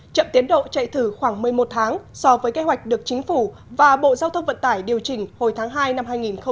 chậm tiến độ chạy thử khoảng một mươi một tháng so với kế hoạch được chính phủ và bộ giao thông vận tải điều chỉnh hồi tháng hai năm hai nghìn hai mươi